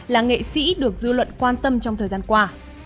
là nghệ sĩ được dư luận quan tâm trong thời gian qua